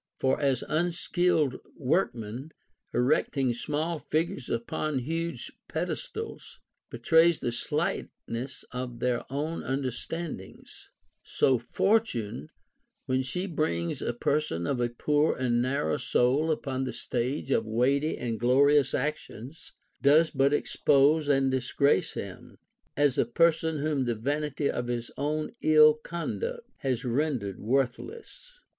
For as unskilful workmen, erecting small figures upon huge pedestals, betray the slightness of their own understandings ; so Fortune, Avhen she brings a person of a poor and narrow soul upon the stage of weighty and glorious actions, does but expose and disgrace him, as a person whom the vanity of his own ill conduct has ren dered worthless.